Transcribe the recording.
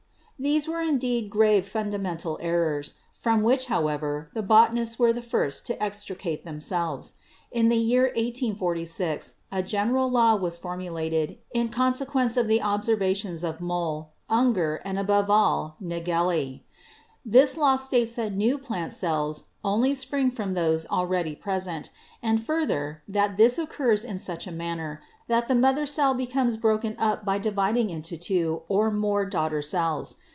These were indeed grave fundamental errors, from which, however, the botanists were the first to extricate themselves. In the year 1846 a general law was formulated in consequence of the observations of Mohl, Unger, and above all, Nageli. This law states that new plant cells only spring from those already present, and further that this occurs in such a manner, that the mother cell becomes broken up by dividing into two or more daughter cells.